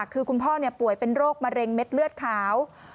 คือคุณพ่อป่วยเป็นโรคมะเร็งเม็ดเลือดขาว